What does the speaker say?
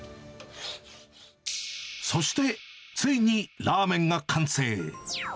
そして、ついにラーメンが完成。